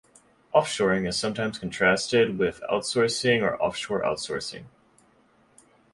Offshoring is sometimes contrasted with outsourcing or offshore outsourcing.